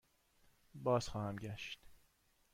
بازخواهم گشت.